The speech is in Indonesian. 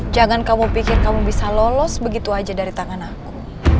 jangan kamu pikir kamu bisa lolos begitu aja dari tangan aku